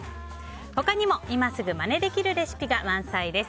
他にも今すぐまねできるレシピが満載です。